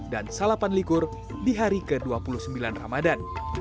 dan salapan likur di hari ke dua puluh sembilan ramadan